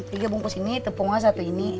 tiga bungkus ini tepungnya satu ini